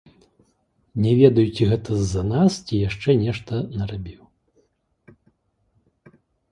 Не ведаю, ці гэта з-за нас, ці яшчэ нешта нарабіў.